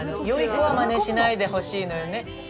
よい子はまねしないでほしいのよね。